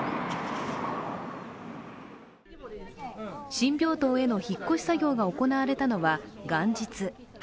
新病棟への引っ越し作業が行われたのは元日。